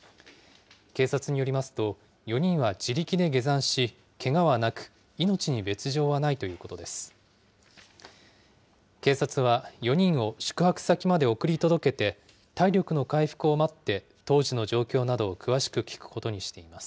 警察によりますと、４人は自力で下山し、けがはなく、命に別状はないということです。